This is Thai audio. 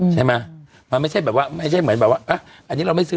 ใช่มะมันไม่ใช่เหมือนอันนี้เราไม่ซื้อ